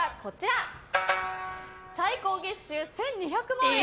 最高月収１２００万円！